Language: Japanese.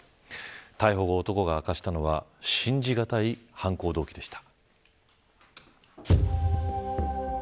逮捕後、男が明かしたのは信じがたい犯行動機でした。